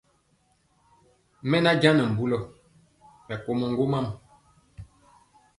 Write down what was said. Mɛ njaŋ nɛ mbulɔ, mɛ komɔ ŋgomam.